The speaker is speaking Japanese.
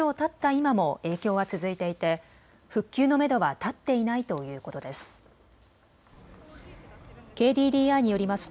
今も影響は続いていて復旧のめどは立っていないということです。